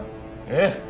ええ。